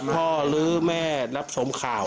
พ่อฮือแม่รับชมข่าว